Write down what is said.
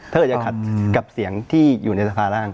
ถ้าอาจจะขัดกับเสียงที่อยู่ในสภาร่าง